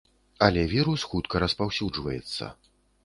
Але вірус хутка распаўсюджваецца.